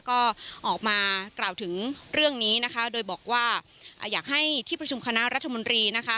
ก็ออกมากล่าวถึงเรื่องนี้นะคะโดยบอกว่าอยากให้ที่ประชุมคณะรัฐมนตรีนะคะ